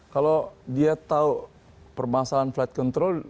kalau dia tahu permasalahan flight control